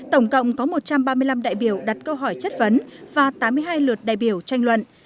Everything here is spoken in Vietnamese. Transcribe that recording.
tổng cộng có một trăm ba mươi năm đại biểu đặt câu hỏi chất vấn và tám mươi hai lượt đại biểu tranh luận